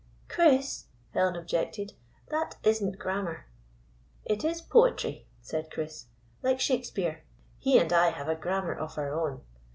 "Chris," Helen objected, "that isn't gram mar." "It is poetry," said Chris. "Like Shake speare. He and I have a grammar of our own.